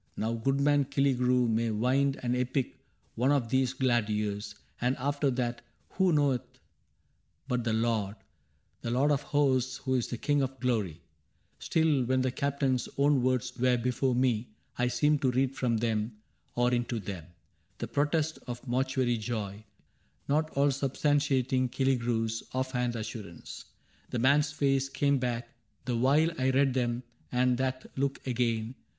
Now goodman Killigrew May wind an epic one of these glad years, And after that who knoweth but the Lord — The Lord of Hosts who is the King of Glory ? 99 Still, when the Captain's own words were before me, I seemed to read from them, or into them. The protest of a mortuary joy Not all substantiating Killigrew's Off hand assurance. The man's face came back The while I read them, and that look again.